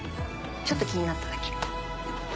ちょっと気になっただけ。